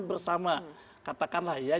bersama katakanlah ya